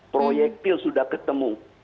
proyektil sudah ketemu